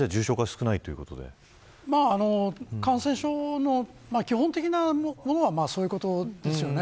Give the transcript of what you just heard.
症状は感染症の基本的なものはそういうことですよね。